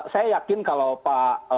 saya yakin kalau pak